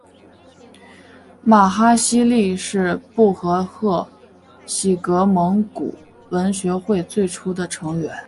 玛哈希力是布和贺喜格蒙古文学会最初的成员。